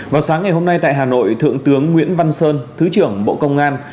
vào sáng ngày hôm nay tại hà nội thượng tướng nguyễn văn sơn thứ trưởng bộ công an